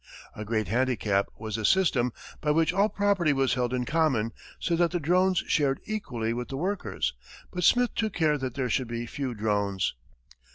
A great handicap was the system, by which all property was held in common, so that the drones shared equally with the workers, but Smith took care that there should be few drones.